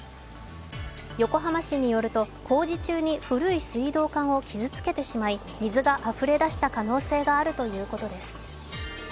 横浜市によると、工事中に古い水道管を傷つけてしまい、水があふれ出した可能性があるということです。